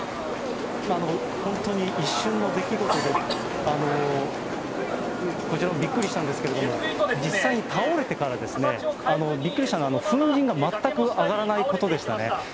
本当に一瞬の出来事で、こちらもびっくりしたんですけども、実際に倒れてから、びっくりしたのは、粉じんが全く上がらないことでしたね。